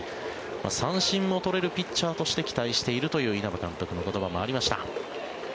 三振も取れるピッチャーとして期待しているという稲葉監督の言葉もありました。